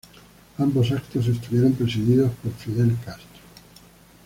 Ambos actos estuvieron presididos por Fidel Castro.